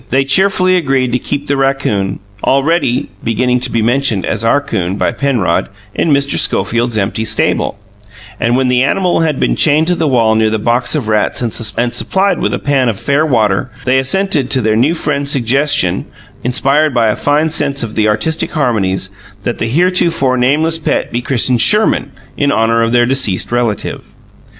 They cheerfully agreed to keep the raccoon already beginning to be mentioned as "our 'coon" by Penrod in Mr. Schofield's empty stable, and, when the animal had been chained to the wall near the box of rats and supplied with a pan of fair water, they assented to their new friend's suggestion (inspired by a fine sense of the artistic harmonies) that the heretofore nameless pet be christened Sherman, in honour of their deceased relative.